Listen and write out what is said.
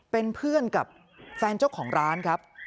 เป็นเพื่อนกับแฟนเจ้าของร้านครับ